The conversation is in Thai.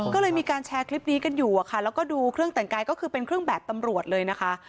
ก็เลยมีการแชร์คลิปนี้กันอยู่อะค่ะแล้วก็ดูเครื่องแต่งกายก็คือเป็นเครื่องแบบตำรวจเลยนะคะ